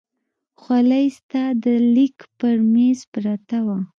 خولۍ ستا د لیک پر مېز پرته وه.